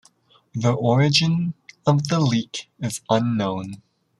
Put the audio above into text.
The origin of the leak is unknown.